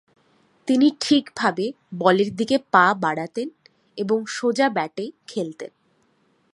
তিনি ঠিকভাবে বলের দিকে পা বাড়াতেন এবং সোজা ব্যাটে খেলতেন।